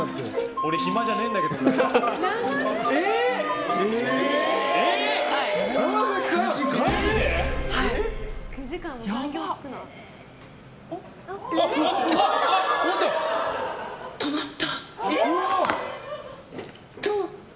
俺暇じゃねえんだけどなって。